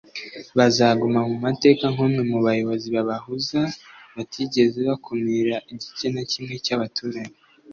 Azaguma mu mateka nk’umwe mu bayobozi b’abahuza" batigeze bakumira igice na kimwe cy’abaturage